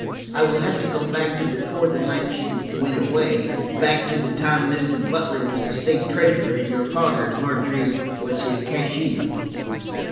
I will have to go back to before the night she–went away, back to the time Mr. Butler was the state treasurer, and your father, Margery, was his cashier.